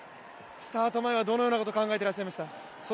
スタート前はどのようなことを考えてらっしゃいました？